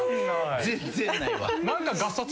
全然ないわ。